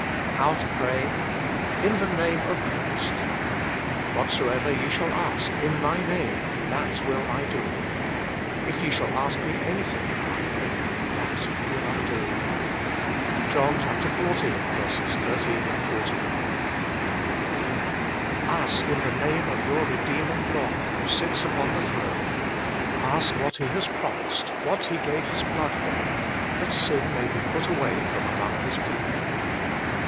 HOW TO PRAY. Jn l\Jt &timt Of (Eljrist 1 Whatsoever ye shall ask in My name, that will I do. If ye shall ask Me anything in My name, that will I do." JOHN xiv. 13, 14. Ask in the name of your Redeemer God, who sits upon the throne. Ask what He has promised, what He gave His blood for, that sin may be put away from among His people.